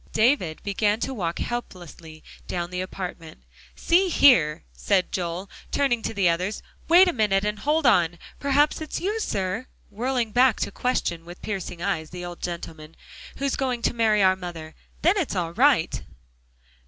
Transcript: David began to walk helplessly down the apartment. "See here!" said Joel, turning to the others, "wait a minute, and hold on. Perhaps it's you, sir," whirling back to question, with piercing eyes, the old gentleman, "who's going to marry our mother. Then it's all right!"